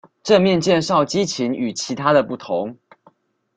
正面介紹激情與其他的不同